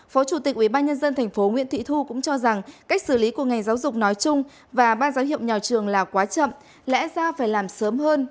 phó chủ tịch ubnd tp nguyễn thị thu cũng cho rằng cách xử lý của ngành giáo dục nói chung và ban giáo hiệu nhà trường là quá chậm lẽ ra phải làm sớm hơn